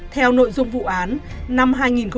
theo nội dung vụ án năm hai nghìn một mươi bảy